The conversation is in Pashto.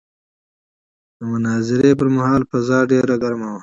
د مناظرې پر مهال فضا ډېره ګرمه وه.